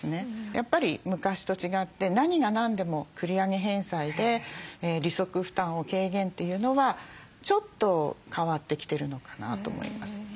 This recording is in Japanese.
やっぱり昔と違って何が何でも繰り上げ返済で利息負担を軽減というのはちょっと変わってきてるのかなと思います。